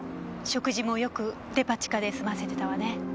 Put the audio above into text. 食事もよくデパ地下で済ませてたわね。